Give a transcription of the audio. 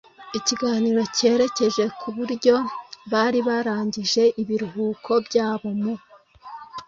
ikiganiro cyerekeje kuburyo bari barangije ibiruhuko byabo. mu